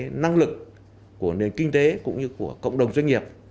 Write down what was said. các năng lượng của nền kinh tế cũng như của cộng đồng doanh nghiệp